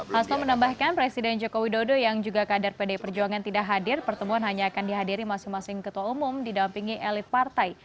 hasto menambahkan presiden joko widodo yang juga kader pdi perjuangan tidak hadir pertemuan hanya akan dihadiri masing masing ketua umum didampingi elit partai